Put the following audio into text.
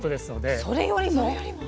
えそれよりも？